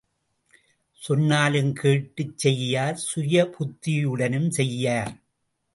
சொன்னாலும் கேட்டுச் செய்யார் சுய புத்தியுடனும் செய்யார்.